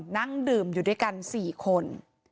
นั่งดื่มอยู่ด้วยกัน๔คน